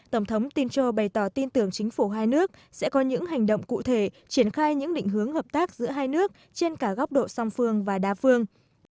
tổng thống tincha bày tỏ tin tưởng chính phủ hai nước sẽ có những hành động cụ thể triển khai những định hướng hợp tác giữa hai nước trên cả góc độ song phương và đa phương